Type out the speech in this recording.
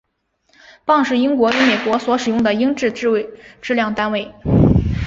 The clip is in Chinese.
磅是英国与美国所使用的英制质量单位。